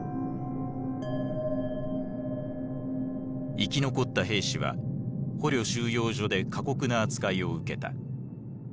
生き残った兵士は捕虜収容所で過酷な扱いを受けた。